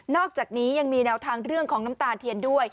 อกจากนี้ยังมีแนวทางเรื่องของน้ำตาเทียนด้วย